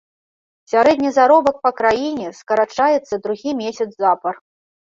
Сярэдні заробак па краіне скарачаецца другі месяц запар.